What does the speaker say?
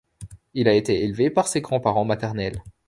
Il a été élevé par ses grands-parents maternels.